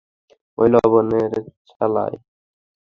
ঐ লবণের চালায়।